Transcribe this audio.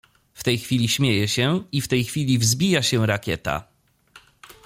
W tej chwili śmieje się i w tej chwili wzbija się rakieta.